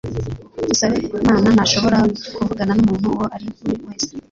Dusabemana ntashobora kuvugana numuntu uwo ari we wese.